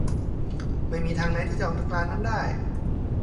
ไม่มีทางไหนที่จะออกจากลานนั้นได้